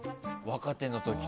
若手の時。